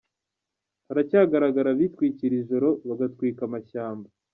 Haracyagaragara abitwikira ijoro bagatwika amashyamba